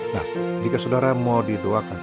nah jika saudara mau didoakan